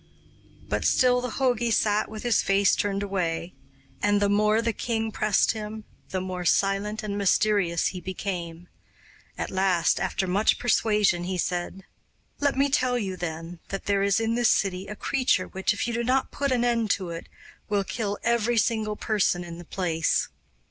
But still the jogi sat with his face turned away, and the more the king pressed him the more silent and mysterious he became. At last, after much persuasion, he said: 'Let me tell you, then, that there is in this city a creature which, if you do not put an end to it, will kill every single person in the place.